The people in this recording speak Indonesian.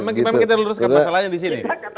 memang kita luruskan masalahnya di sini